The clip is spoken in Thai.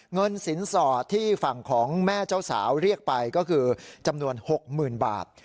เงินสินสอดที่ฝั่งของแม่เจ้าสาวเรียกไปก็คือจำนวน๖๐๐๐บาท